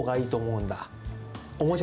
うん。